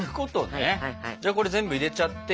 じゃあこれ全部入れちゃって。